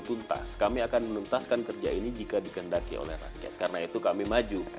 tuntas kami akan menuntaskan kerja ini jika dikendaki oleh rakyat karena itu kami maju